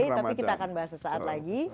tapi kita akan bahas sesaat lagi